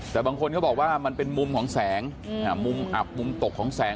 แต่บางคนเขาบอกว่ามันเป็นมุมของแสงมุมอับมุมตกของแสง